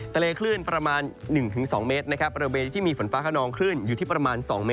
ทะเลคลื่นประมาณ๑๒เมตรนะครับ